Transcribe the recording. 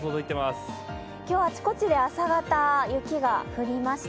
今日、あちこちで朝方、雪が降りました。